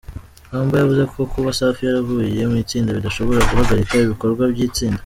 Humble yavuze ko kuba Safi yaravuye mu itsinda bidashobora guhagarika ibikorwa by’itsinda.